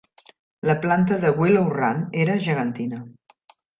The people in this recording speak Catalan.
La planta de Willow Run era gegantina.